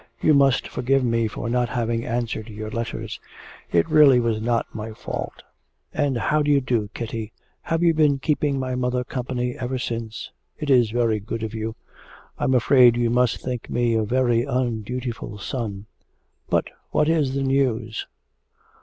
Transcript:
'You must forgive me for not having answered your letters. It really was not my fault.... And how do you do, Kitty? Have you been keeping my mother company ever since? It is very good of you; I am afraid you must think me a very undutiful son. But what is the news?'